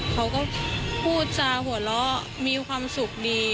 เขาก็พูดจาหัวเราะมีความสุขดี